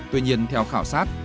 tuy nhiên theo khảo sát